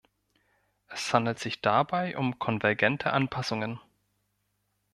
Es handelt sich dabei um konvergente Anpassungen.